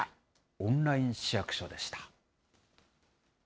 オンライン市役所でした。